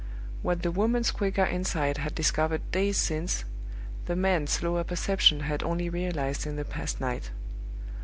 What the woman's quicker insight had discovered days since, the man's slower perception had only realized in the past night.